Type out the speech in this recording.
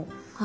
はい。